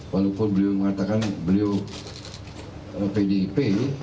walaupun beliau mengatakan beliau pdip